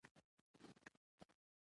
جلګه د افغانستان د طبیعت د ښکلا برخه ده.